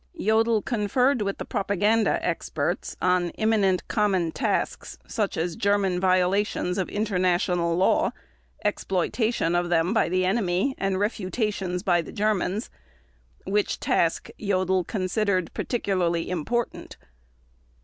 Jodl conferred with the propaganda experts on "imminent common tasks" such as German violations of international law, exploitation of them by the enemy and refutations by the Germans, which "task" Jodl considered "particularly important".